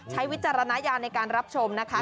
วิจารณญาณในการรับชมนะคะ